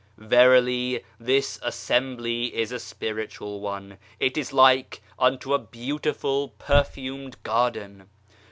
Verily this assembly is a Spiritual one ! It is like unto a beautiful perfumed garden